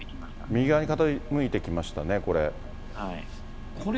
右側に傾いてきましたね、これ。